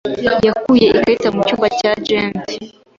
yakuye ikarita mu cyumba cya gants.